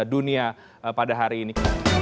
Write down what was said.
dunia pada hari ini